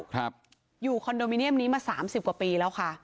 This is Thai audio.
ครับอยู่คอนโดมิเนียมนี้มาสามสิบกว่าปีแล้วค่ะ